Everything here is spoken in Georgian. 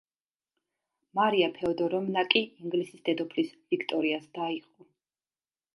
მარია ფეოდოროვნა კი ინგლისის დედოფლის ვიქტორიას და იყო.